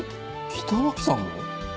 北脇さんも？